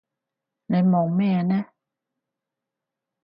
你望咩呢？